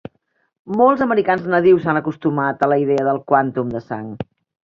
Molts americans nadius s'han acostumat a la idea del "quàntum de sang".